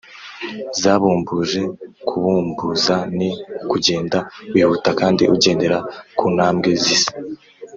zabumbuje: kubumbuza ni ukugenda wihuta kandi ugendera ku tambwe zisa